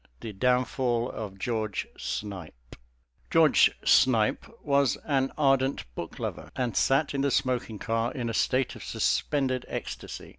THE DOWNFALL OF GEORGE SNIPE George Snipe was an ardent book lover, and sat in the smoking car in a state of suspended ecstasy.